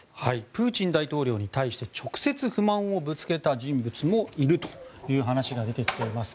プーチン大統領に対して直接不満をぶつけた人物もいるという話が出てきています。